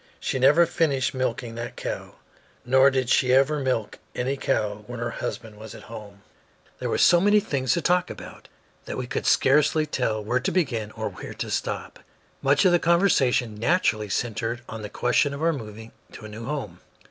She never finished milking that cow, nor did she ever milk any cow when her husband was at home. There were so many things to talk about that we could scarcely tell where to begin or when to stop. Much of the conversation naturally centered on the question of our moving to a new home.